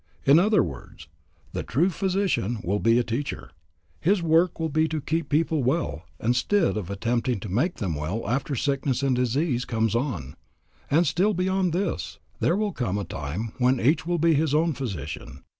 In other words, the true physician will be a teacher; his work will be to keep people well, instead of attempting to make them well after sickness and disease comes on; and still beyond this there will come a time when each will be his own physician.